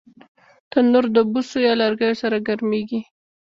تنور د بوسو یا لرګیو سره ګرمېږي